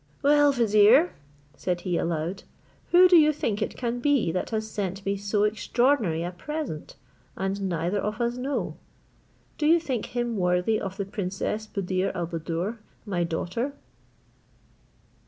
"Well, vizier," said he aloud, "who do you think it can be that has sent me so extraordinary a present, and neither of us know? Do you think him worthy of the princess Buddir al Buddoor, my daughter?"